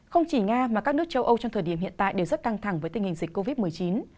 không chỉ nga mà các nước châu âu trong thời điểm hiện tại đều rất căng thẳng với tình hình dịch covid một mươi chín